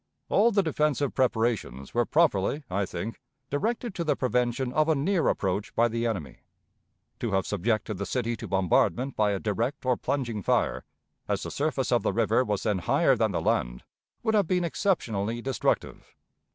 All the defensive preparations were properly, I think, directed to the prevention of a near approach by the enemy. To have subjected the city to bombardment by a direct or plunging fire, as the surface of the river was then higher than the land, would have been exceptionally destructive.